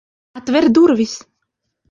Atver durvis!